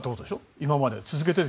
今まで続けて。